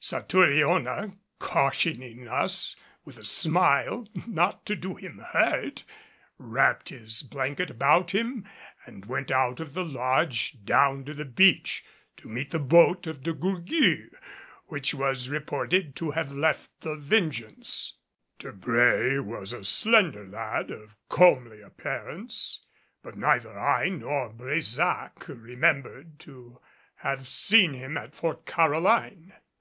Satouriona, cautioning us with a smile not to do him hurt, wrapped his blanket about him and went out of the lodge down to the beach to meet the boat of De Gourgues, which was reported to have left the Vengeance. Debré was a slender lad of comely appearance; but neither I nor Brésac remembered to have seen him at Fort Caroline.